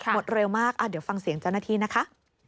หมดเร็วมากเดี๋ยวฟังเสียงเจ้าหน้าที่นะคะ